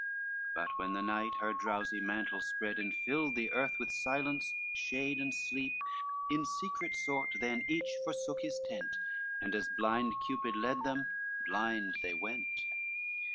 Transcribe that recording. But when the night her drowsy mantle spread, And filled the earth with silence, shade and sleep, In secret sort then each forsook his tent, And as blind Cupid led them blind they went.